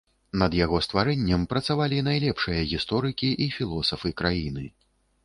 Над яго стварэннем працавалі найлепшыя гісторыкі і філосафы краіны.